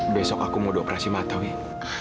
besok aku mau doperasi mata wih